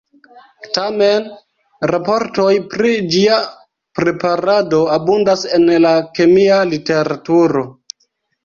Tamen, raportoj pri ĝia preparado abundas en la kemia literaturo.